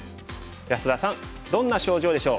安田さんどんな症状でしょう？